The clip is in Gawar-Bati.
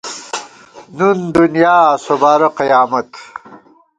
نُن دُنیا سوبارہ قیامت